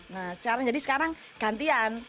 nah sekarang jadi gantian